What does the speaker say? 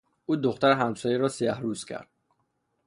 او دختر همسایه را سیه روز کرد.